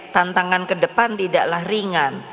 tantangan ke depan tidaklah ringan